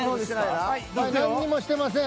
何にもしてません。